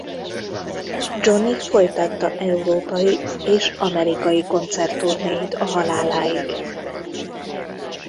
Johnny folytatta európai és amerikai koncert turnéit a haláláig.